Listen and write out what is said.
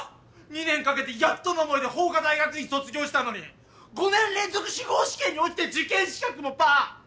２年かけてやっとの思いで法科大学院卒業したのに５年連続司法試験に落ちて受験資格もパア！